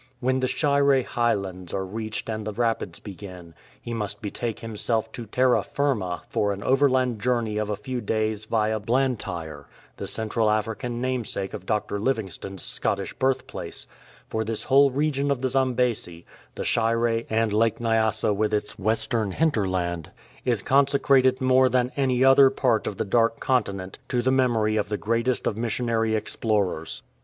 '' When the Shire Highlands are reached and the rapids begin, he must betake himself to terra finna for an overland journey of a few days via Blantyre, the Central African namesake of Dr. Livingstone's Scottish birthplace, for this whole region of the Zambesi, the Shire, and Lake Nyasa with its western hinterland, is con secrated more than any other part of the Dark Continent to the memory of the greatest of missionary explorers.